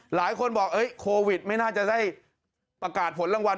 หลายคนบอกโควิดไม่น่าจะได้ประกาศผลรางวัล